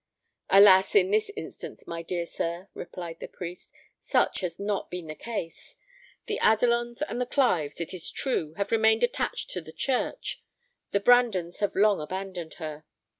"Alas! in this instance, my dear sir," replied the priest, "such has not been the case. The Adelons and the Clives, it is true, have remained attached to the church; the Brandons have long abandoned her.